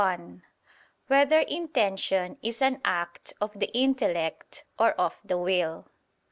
12, Art. 1] Whether Intention Is an Act of the Intellect or of the Will?